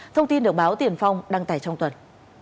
thông tin được báo tiền phong đăng tải trong tuần